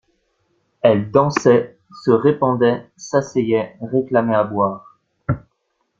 Elle dansait, se répandait, s'asseyait, réclamait à boire.